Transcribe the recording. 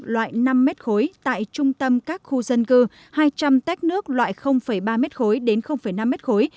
loại năm mét khối tại trung tâm các khu dân cư hai trăm linh tét nước loại ba mét khối đến năm mét khối